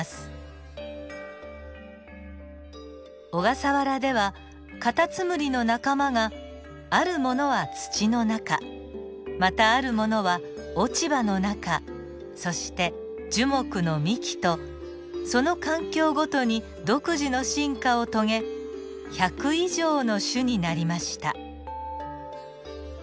小笠原ではカタツムリの仲間があるものは土の中またあるものは落ち葉の中そして樹木の幹とその環境ごとに独自の進化を遂げ１００以上の種になりました。